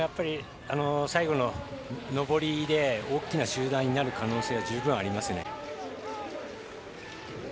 最後の上りで大きな集団になる可能性は十分にありますね。